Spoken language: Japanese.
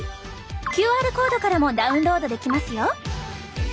ＱＲコードからもダウンロードできますよ！